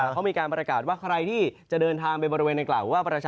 เค้ามีการปรากฏว่าใครที่จะเดินทางไปบริเวณอังกษัตริย์หรือว่า